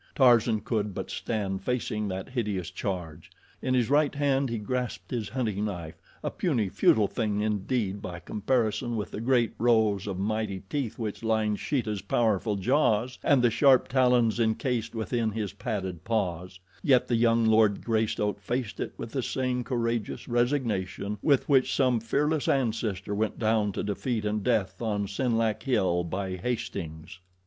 Tarzan could but stand facing that hideous charge. In his right hand he grasped his hunting knife a puny, futile thing indeed by comparison with the great rows of mighty teeth which lined Sheeta's powerful jaws, and the sharp talons encased within his padded paws; yet the young Lord Greystoke faced it with the same courageous resignation with which some fearless ancestor went down to defeat and death on Senlac Hill by Hastings.